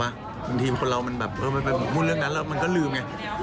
บางทีคนเรามันแบบเออไปหมุกมุ่นเรื่องนั้นแล้วมันก็ลืมไง